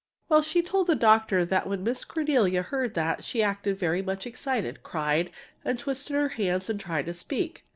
Well, she told the doctor that when Miss Cornelia heard that, she acted very much excited, cried, and twisted her hands and tried to speak.